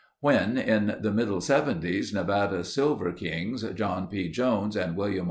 When, in the middle Seventies Nevada silver kings, John P. Jones and Wm.